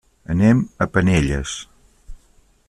Anem a Penelles.